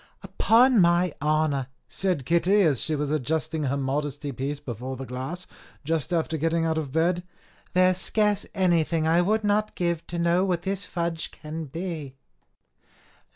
"Upon my honour," said Kitty, as she was adjusting her modesty piece before the glass, just after getting out of bed, "there is scarce anything I would not give to know what this fudge can be."